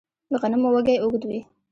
د غنمو وږی اوږد وي.